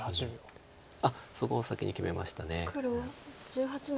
あっそこを先に決めました。